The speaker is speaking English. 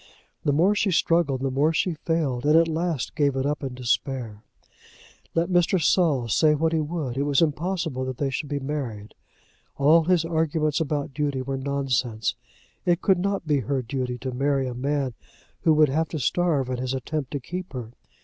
The more she struggled the more she failed, and at last gave it up in despair. Let Mr. Saul say what he would, it was impossible that they should be married. All his arguments about duty were nonsense. It could not be her duty to marry a man who would have to starve in his attempt to keep her.